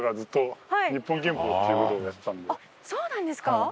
あっそうなんですか？